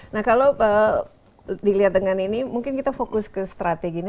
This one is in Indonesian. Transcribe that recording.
nah kalau dilihat dengan ini mungkin kita fokus ke strategi ini